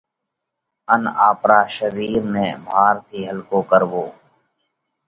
ان آپرا شرِير نئہ ڀار ٿِي هلڪو ڪروو۔